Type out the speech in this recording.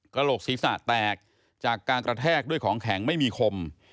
โหลกศีรษะแตกจากการกระแทกด้วยของแข็งไม่มีคม